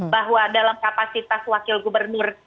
bahwa dalam kapasitas wakil gubernur